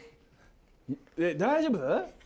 大丈夫？